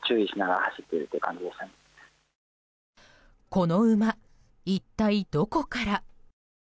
この馬、一体どこから？